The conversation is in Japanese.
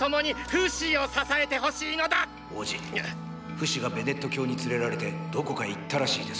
フシがベネット教に連れられてどこかへ行ったらしいです！